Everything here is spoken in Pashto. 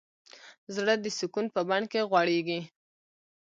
زړه د سکون په بڼ کې غوړېږي.